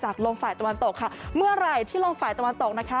ลมฝ่ายตะวันตกค่ะเมื่อไหร่ที่ลมฝ่ายตะวันตกนะคะ